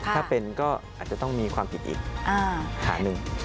ถ้าเป็นก็อาจจะต้องมีความผิดอีกฐานหนึ่ง